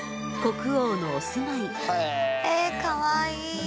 へえ。えかわいい。